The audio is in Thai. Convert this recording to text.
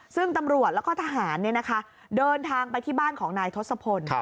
ซึ่งตำรวจแล้วก็ทหารเดินทางไปที่บ้านของนายทศพล